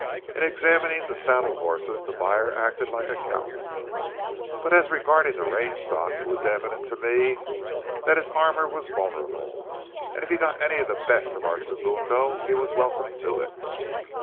In examining the saddle horses, the buyer acted like a cowman; but as regarding the range stock, it was evident to me that his armor was vulnerable, and if he got any the best of our segundo he was welcome to it.